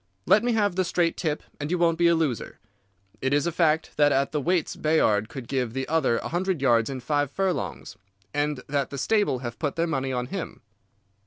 Let me have the straight tip and you won't be a loser. Is it a fact that at the weights Bayard could give the other a hundred yards in five furlongs, and that the stable have put their money on him?